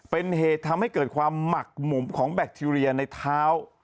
เป็นเหตุทำให้เกิดความหมักหมุ่มของแบคทีเรียในเท้า